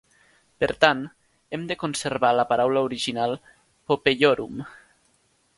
Per tant, hem de conservar la paraula original "popeiorum".